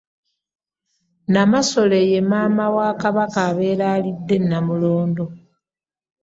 Namasole ye maama wa Kabaka abeera alidde namulondo.